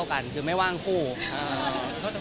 ครับครับครับครับครับครับครับครับครับครับ